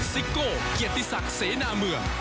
ซิโก้เกียรติศักดิ์เสนาเมือง